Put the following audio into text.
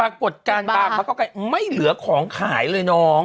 บัะกรดกาลบามันไม่เหลือของขายเลยน้อง